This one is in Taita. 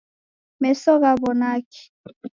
Meso ghaw'onaki?